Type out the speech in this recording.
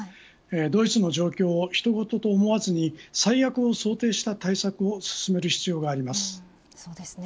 ドイツの状況をひとごとと思わずに最悪を想定した対策を進める必要があります。